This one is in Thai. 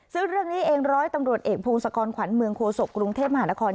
ซึ่งเรื่องนี้เองร้อยตำรวจเอกพงศกรขวัญเมืองโคศกกรุงเทพมหานคร